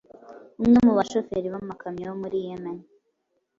Umwe mu bashoferi b’amakamyo bo muri Yemen